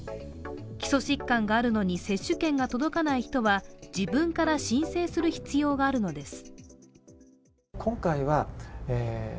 基礎疾患があるのに接種券が届かない人は自分から申請する必要があるのです。